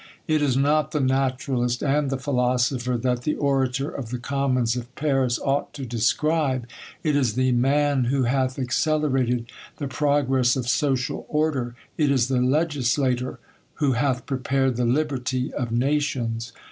It is not the naturalist and the philosopher that the orator of the Commons of Paris ought to describe ; it is the man who hath accelerated the progress of social order ; it is the legislator, who hath prepared the liberty of nations